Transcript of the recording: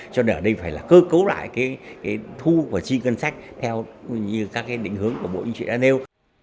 cho nên ở đây phải là cơ cấu lại cái thu và chi cân sách theo như các cái định hướng của bộ y tế đã nêu